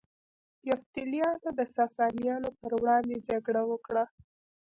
یفتلیانو د ساسانیانو پر وړاندې جګړه وکړه